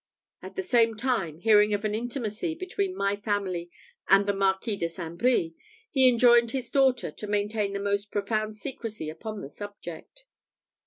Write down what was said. At the same time, hearing of an intimacy between my family and the Marquis de St. Brie, he enjoined his daughter to maintain the most profound secrecy upon the subject.